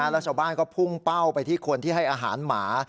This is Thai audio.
แล้วชาวบ้านก็พุ่งเป้าไปที่คนที่ให้อาหารหมา